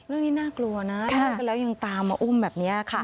เรื่องนี้น่ากลัวนะถ้าเป็นแล้วยังตามมาอุ้มแบบนี้ค่ะ